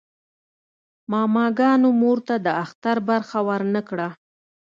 ماماګانو مور ته د اختر برخه ورنه کړه.